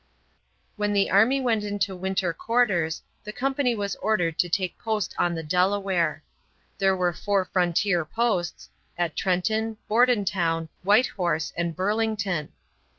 When the army went into winter quarters the company was ordered to take post on the Delaware. There were four frontier posts, at Trenton, Bordentown, White Horse, and Burlington.